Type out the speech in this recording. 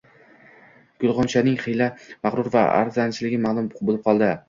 gulg‘unchaning xiyla mag‘rur va arazchiligi ma'lum bo'lib qoldi.